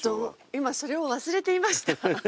今それを忘れていました。